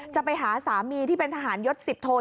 จะไปหาสามีที่เป็นทหารยศ๑๐โทน